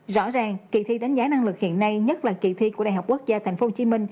rõ ràng kỳ thi đánh giá năng lực hiện nay nhất là kỳ thi của đại học quốc gia tp hcm